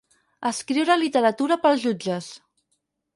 Escriure literatura per als jutges.